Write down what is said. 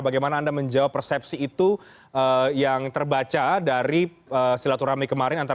bagaimana anda menjawab persepsi itu yang terbaca dari silaturahmi kemarin